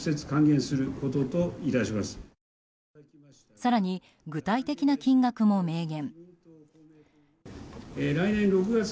更に、具体的な金額も名言。